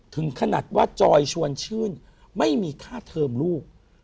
ถึงขนาดว่าจอยชวนชื่นไม่มีค่าเทอมลูก